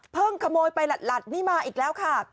ขโมยไปหลัดนี่มาอีกแล้วค่ะ